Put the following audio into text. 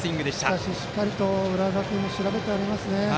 しかし、しっかりと浦和学院も調べてありますね。